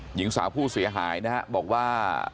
หญิงสาวผู้เสียหายนะฮะบอกว่า